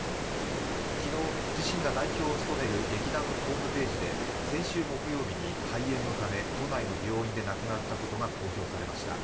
昨日、自身が代表を務める劇団のホームページで先週木曜日に肺炎のため、都内の病院で亡くなったことが公表されました。